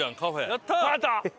やったー！